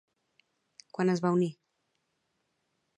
Quan es va unir?